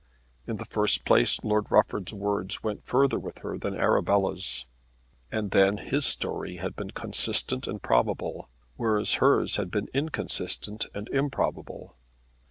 In the first place Lord Rufford's word went further with her than Arabella's, and then his story had been consistent and probable, whereas hers had been inconsistent and improbable.